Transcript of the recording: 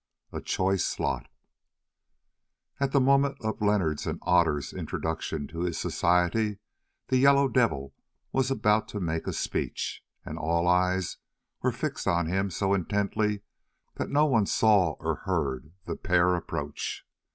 A CHOICE LOT At the moment of Leonard's and Otter's introduction to his society, the Yellow Devil was about to make a speech, and all eyes were fixed on him so intently that none saw or heard the pair approach.